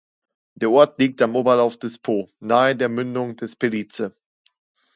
Der Ort liegt am Oberlauf des Po, nahe der Mündung des Pellice.